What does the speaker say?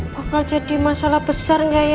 bakal jadi masalah besar nggak ya